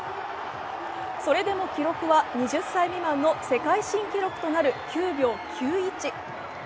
それでも記録は２０歳未満の世界新記録となる９秒９１。